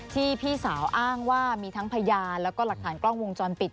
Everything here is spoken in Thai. พี่สาวอ้างว่ามีทั้งพยานแล้วก็หลักฐานกล้องวงจรปิด